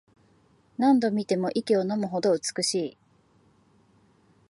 何度見ても息をのむほど美しい